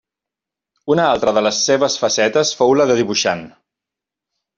Una altra de les seves facetes fou la de dibuixant.